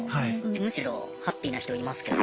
むしろハッピーな人いますけど。